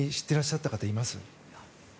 てらっしゃった方います？